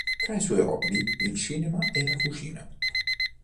Tra i suoi hobby il cinema e la cucina.